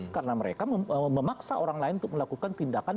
karena mereka memaksa orang lain untuk melakukan tindakan